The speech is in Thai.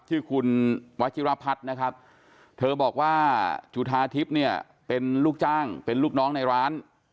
ชื่อคุณวัชิราภัฐนะครับ